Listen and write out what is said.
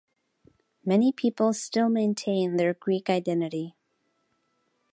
Many people still maintain their Greek identity.